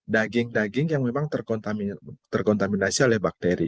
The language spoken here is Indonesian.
daging daging yang memang terkontaminasi oleh bakteri